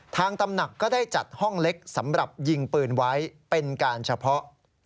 ตำหนักก็ได้จัดห้องเล็กสำหรับยิงปืนไว้เป็นการเฉพาะ